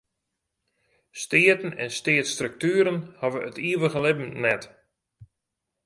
Steaten en steatsstruktueren hawwe it ivige libben net.